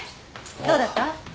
どうだった？